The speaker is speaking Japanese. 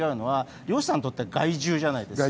漁師さんにとっては害獣じゃないですか。